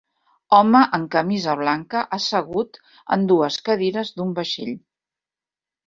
Home amb camisa blanca assegut en dues cadires d'un vaixell